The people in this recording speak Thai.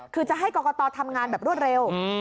คือจะให้กรกตทำงานแบบรวดเร็ว